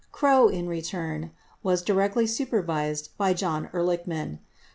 61 Krogh, in turn, was directly supervised by John Ehrlichman.